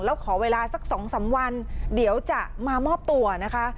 แล้วขอเวลาสัก๒๓วันเดี๋ยวจะมามอบตัวนะคะ